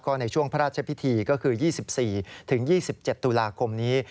ในช่วงพระราชพิธีก็คือ๒๔๒๗ตุลาคมนี้